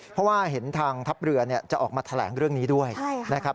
เพราะว่าเห็นทางทัพเรือจะออกมาแถลงเรื่องนี้ด้วยนะครับ